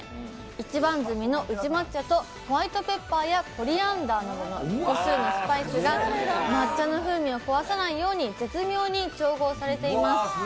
一番摘みの宇治抹茶とホワイトペッパー、コリアンダーなどのスパイスが抹茶の風味を壊さないように絶妙に調合されています。